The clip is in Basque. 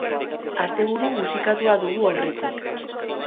Asteburu musikatua dugu aurretik.